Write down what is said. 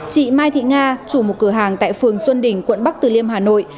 chị mai thị nga chủ một cửa hàng tại phường xuân đỉnh quận bắc từ liêm hà nội